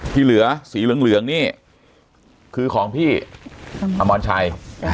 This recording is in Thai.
ที่เหลือสีเหลืองนี่คือของพี่อมรชัย